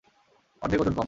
অর্ধেক ওজন কম।